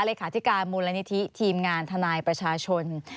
เลขาธิการมูลนิธิทีมงานทนายประชาชน